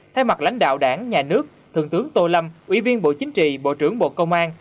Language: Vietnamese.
thay mặt lãnh đạo đảng nhà nước thượng tướng tô lâm ủy viên bộ chính trị bộ trưởng bộ công an